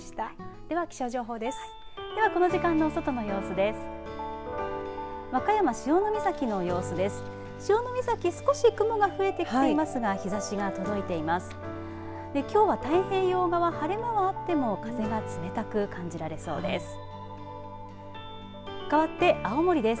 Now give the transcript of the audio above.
では気象情報です。